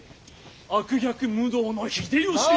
悪逆無道の秀吉に」。